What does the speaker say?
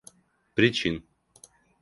причин